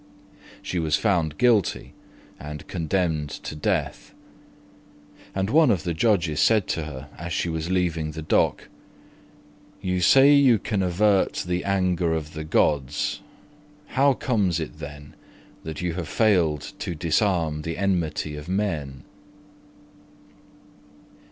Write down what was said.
She was found guilty and condemned to death: and one of the judges said to her as she was leaving the dock, "You say you can avert the anger of the gods. How comes it, then, that you have failed to disarm the enmity of men?"